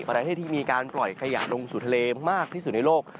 ประเทศที่มีการปล่อยขยะลงสู่ทะเลมากที่สุดในโลก